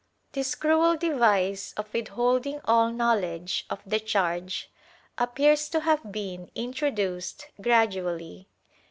This cruel device of withholding all knowledge of the charge appears to have been introduced gradually.